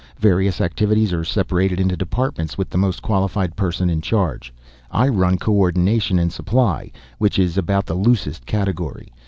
Various activities are separated into departments with the most qualified person in charge. I run Co ordination and Supply, which is about the loosest category.